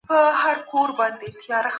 د مغولو اسلام منل لویه پېښه وه.